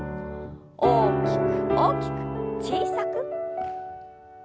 大きく大きく小さく。